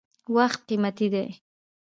• وخت قیمتي دی.